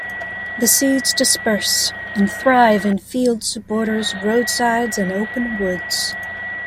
The seeds disperse and thrive in fields, borders, roadsides and open woods.